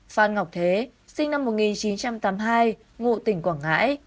phan ngọc thế sinh năm một nghìn chín trăm tám mươi hai ngụ tỉnh quảng ngãi